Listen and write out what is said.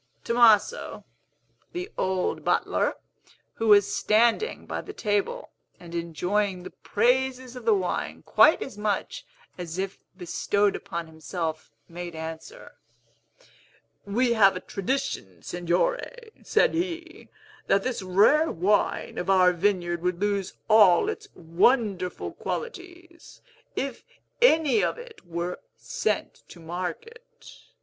Tomaso, the old butler, who was standing by the table, and enjoying the praises of the wine quite as much as if bestowed upon himself, made answer, "We have a tradition, Signore," said he, "that this rare wine of our vineyard would lose all its wonderful qualities, if any of it were sent to market.